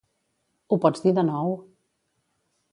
Ho pots dir de nou?